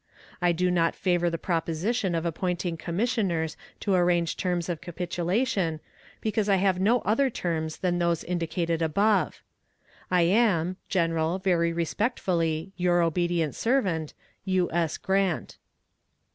I do not favor the proposition of appointing commissioners to arrange terms of capitulation, because I have no other terms than those indicated above. I am, General, very respectfully, your obedient servant, U. S. GRANT.